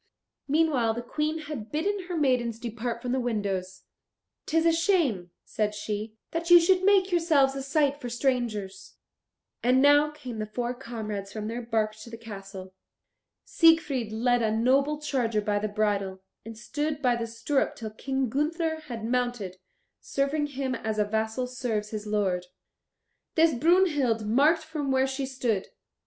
Meanwhile the Queen had bidden her maidens depart from the windows. "'Tis a shame," said she, "that you should make yourselves a sight for strangers." And now came the four comrades from their bark to the castle. Siegfried led a noble charger by the bridle, and stood by the stirrup till King Gunther had mounted, serving him as a vassal serves his lord. This Brunhild marked from where she stood.